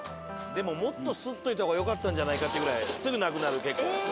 でももっとすっといた方がよかったんじゃないかっていうぐらいすぐなくなる結構。